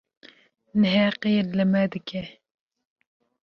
neheqiyê li me dike.